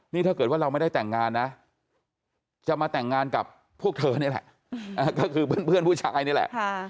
นี่ถ้าเกิดว่าเราไม่ได้แต่งงานนะจะมาแต่งงานกับพวกเธอนี่แหละก็คือเพื่อนผู้ชายนี่แหละ